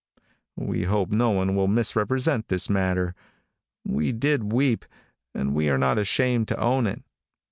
We hope no one will misrepresent this matter. We did weep, and we are not ashamed to own it.